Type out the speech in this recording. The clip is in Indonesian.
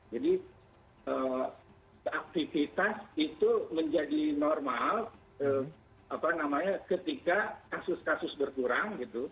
jadi aktivitas itu menjadi normal ketika kasus kasus berkurang